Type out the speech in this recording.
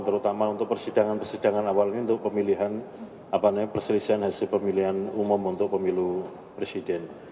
terutama untuk persidangan persidangan awal ini untuk pemilihan perselisihan hasil pemilihan umum untuk pemilu presiden